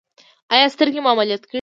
ایا سترګې مو عملیات کړي دي؟